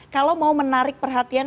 kalau mau menarik perhatian